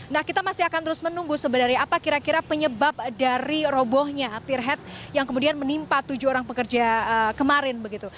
nah kita masih akan terus menunggu sebenarnya apa kira kira penyebab dari robohnya peer head yang kemudian menimpa tujuh orang pekerja kemarin begitu